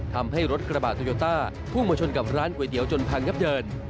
ทำให้รถกระบะโตโยต้าพุ่งมาชนกับร้านก๋วยเตี๋ยวจนพังยับเยิน